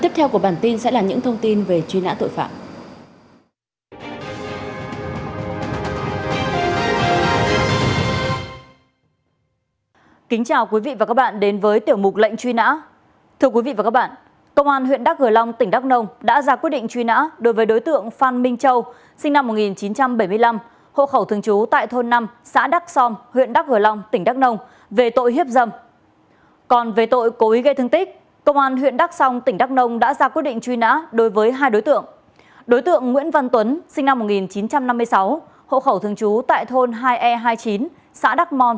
phần tiếp theo của bản tin sẽ là những thông tin về truy nã tội phạm